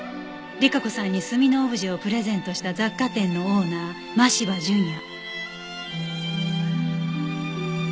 莉華子さんに炭のオブジェをプレゼントした雑貨店のオーナー真柴淳弥。